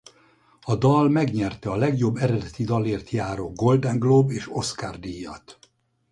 A dal megnyerte a legjobb eredeti dalért járó Golden Globe- és Oscar-díjat.